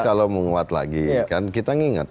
kalau menguat lagi kan kita ingat